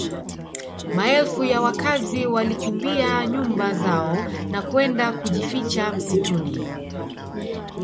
Maelfu ya wakazi walikimbia nyumba zao na kwenda kujificha msituni